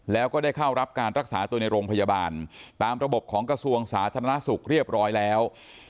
แล้วก็ได้เข้ารับการรักษาตัวในโรงพยาบาลตามระบบของกระทรวงสาธารณสุขเรียบร้อยแล้ว